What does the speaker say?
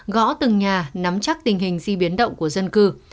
gõ từng nhà nắm chắc tình hình di biến động của dân cư